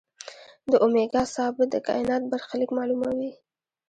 د اومېګا ثابت د کائنات برخلیک معلوموي.